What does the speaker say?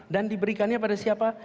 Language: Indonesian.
dan diberikannya pada siapa